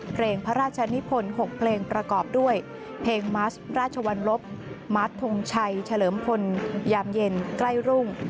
เพลงพระราชนิพล๖เพลงประกอบด้วยเพลงมัสราชวรรลบมาร์ททงชัยเฉลิมพลยามเย็นใกล้รุ่ง